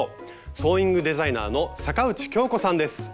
ソーイングデザイナーの坂内鏡子さんです。